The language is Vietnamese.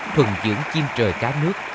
thuần dưỡng chim trời cá nước